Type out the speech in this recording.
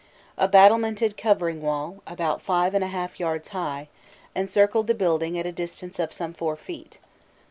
A battlemented covering wall, about five and a half yards high, encircled the building at a distance of some four feet.